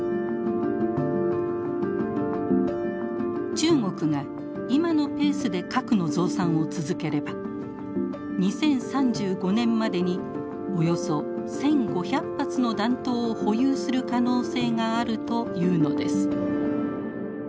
中国が今のペースで核の増産を続ければ２０３５年までにおよそ１，５００発の弾頭を保有する可能性があるというのです。